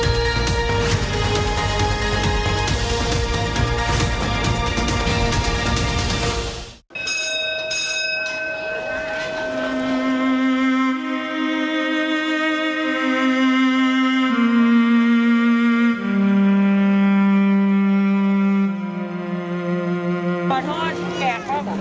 มันไม่ได้เป็นศูนย์วิทย์มันไม่ได้ตั้งใจ